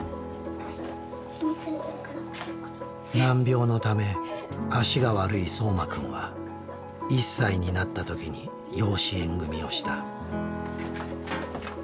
難病のため足が悪いそうま君は１歳になった時に養子縁組みをした。